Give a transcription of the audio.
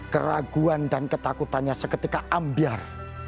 keraguan dan ketakutannya seketika ambiar